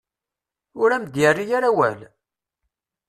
Ur am-d-yerri ara awal?